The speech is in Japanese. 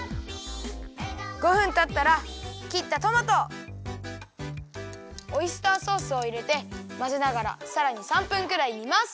５分たったらきったトマトオイスターソースをいれてまぜながらさらに３分くらいにます。